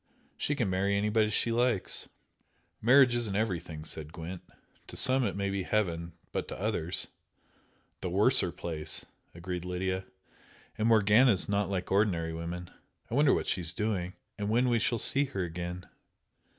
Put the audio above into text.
She can marry anybody she likes." "Marriage isn't everything," said Gwent "To some it may be heaven, but to others " "The worser place!" agreed Lydia "And Morgana is not like ordinary women. I wonder what she's doing, and when we shall see her again?"